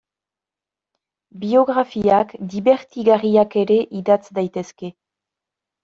Biografiak dibertigarriak ere idatz daitezke.